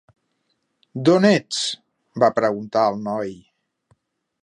"D'on ets?", va preguntar el noi.